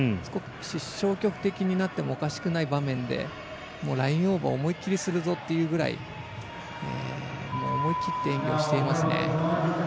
消極的になってもおかしくない場面でラインオーバーを思い切りするぞというくらい思い切って演技をしていますね。